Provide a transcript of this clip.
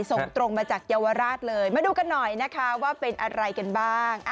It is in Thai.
ส่งตรงมาจากเยาวราชเลยมาดูกันหน่อยนะคะว่าเป็นอะไรกันบ้าง